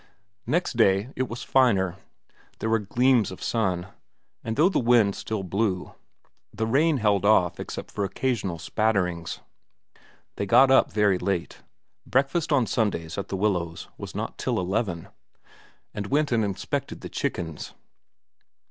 Next day it was finer. There were gleams of sun ; and though the wind still blew, the rain held off except xxv VERA 279 for occasional spatterings. They got up very late breakfast on Sundays at The Willows was not till eleven and went and inspected the chickens.